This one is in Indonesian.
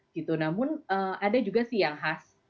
gitu namun ada juga sih yang khas